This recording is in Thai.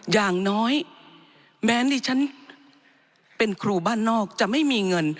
อย่างน้อยแม้ดิฉันเป็นครูบ้านนอกจะไม่มีเงิน